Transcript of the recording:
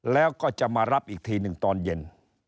แล้วก็จะมารับอีกทีหนึ่งตอนเย็น